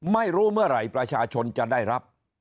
ไม่รู้เมื่อไหร่ประชาชนจะได้รับ